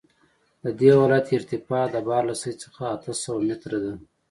د دې ولایت ارتفاع د بحر له سطحې څخه اته سوه متره ده